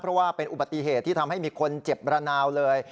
เพราะว่าเป็นอุบัติเหตุที่ทำให้มีคนเจ็บระนาวเลย